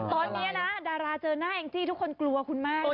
ตอนนี้นะดาราเจอหน้าแองจี้ทุกคนกลัวคุณมากเลย